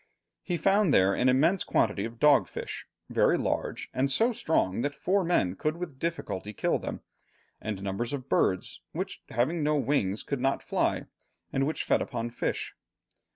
He found there an immense quantity of dog fish, very large, and so strong that four men could with difficulty kill them, and numbers of birds, which, having no wings, could not fly, and which fed upon fish.